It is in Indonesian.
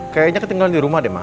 kayaknya ketinggalan di rumah deh mas